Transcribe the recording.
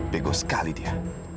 bego sekali dia